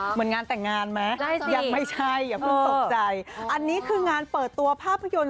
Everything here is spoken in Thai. เหมือนงานแต่งงานไหมยังไม่ใช่อย่าเพิ่งตกใจอันนี้คืองานเปิดตัวภาพยนตร์